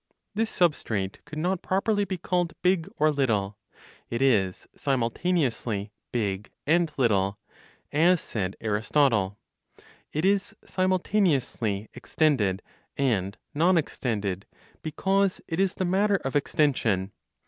This substrate could not properly be called big or little; it is simultaneously big and little (as said Aristotle). It is simultaneously extended and non extended, because it is the matter of extension.